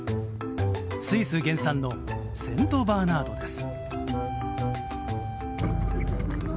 スイス原産のセントバーナードです。